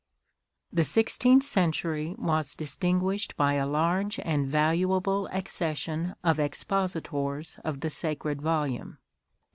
The Sixteenth Century was distinguislied by a large and valuable accession of Expositors of the Sacred Volume.